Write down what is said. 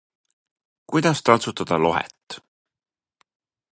Kuidas taltsutada lohet?